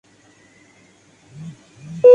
بے وقوف نہیں۔